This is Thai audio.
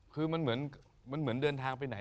คือมันเหมือนเดินทางไปไหน